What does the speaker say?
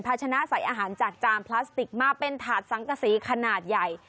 ชนะใส่อาหารจากจานพลาสติกมาเป็นถาดสังกษีขนาดใหญ่